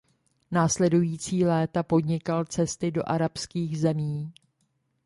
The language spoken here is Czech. Následující léta podnikal cesty do arabských zemí.